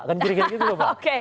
kan kira kira gitu loh pak